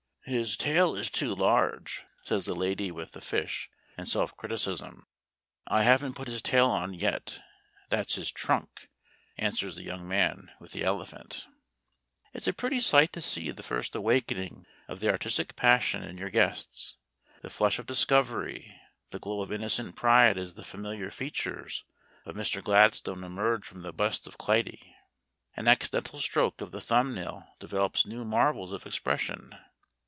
"His tail is too large," says the lady with the fish, in self criticism. "I haven't put his tail on yet that's his trunk," answers the young man with the elephant. It's a pretty sight to see the first awakening of the artistic passion in your guests the flush of discovery, the glow of innocent pride as the familiar features of Mr. Gladstone emerge from the bust of Clytie. An accidental stroke of the thumbnail develops new marvels of expression.